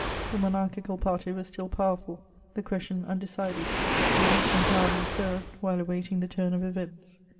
The monarchical party was still powerful, the question undecided: the weak and cowardly served, while awaiting the turn of events.